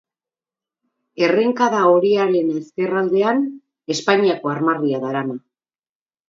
Errenkada horiaren ezkerraldean Espainiako armarria darama.